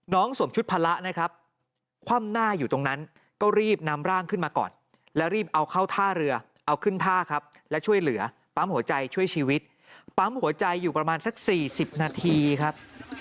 สวมชุดพละนะครับคว่ำหน้าอยู่ตรงนั้นก็รีบนำร่างขึ้นมาก่อนแล้วรีบเอาเข้าท่าเรือเอาขึ้นท่าครับและช่วยเหลือปั๊มหัวใจช่วยชีวิตปั๊มหัวใจอยู่ประมาณสัก๔๐นาทีครับ